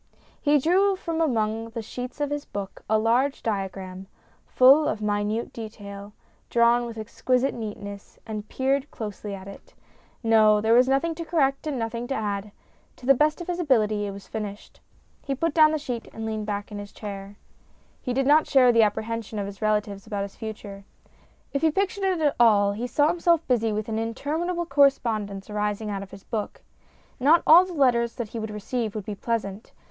He drew from among the sheets of his book a large diagram, full of minute detail, drawn with exquisite neatness, and peered closely at it. No : there was nothing to correct and nothing to add. To the best of his ability it was finished. He put down the sheet and leaned back in his chair. 260 STORIES IN GREY He did not share the apprehensions of his relatives about his future. ... If he pictured it at all, he saw himself busy with an interminable correspondence arising out of his book. Not all the letters that he would receive would be pleasant.